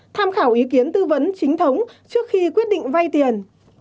tham khảo ý kiến tư vấn chính thống trước khi quyết định vay tiền